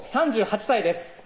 ３８歳です